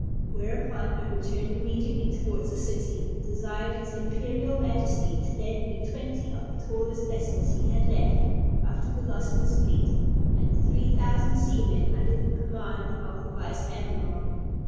Whereupon I returned immediately towards the city, and desired his Imperial Majesty to lend me twenty of the tallest vessels he had left after the loss of his fleet, and three thousand seamen, under the command of the vice admiral.